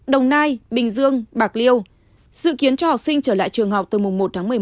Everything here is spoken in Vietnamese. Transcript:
đồng nai bình dương bạc liêu sự kiến cho học sinh trở lại trường học từ mùng một tháng một mươi một